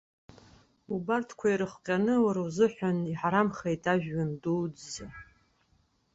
Убарҭқәа ирыхҟьаны, уара узыҳәан иҳарамхеит ажәҩан дуӡӡа.